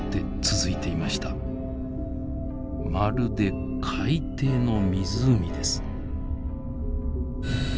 まるで海底の湖です。